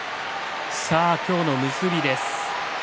今日の結びです。